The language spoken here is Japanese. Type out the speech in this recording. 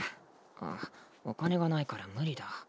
あお金がないから無理だ。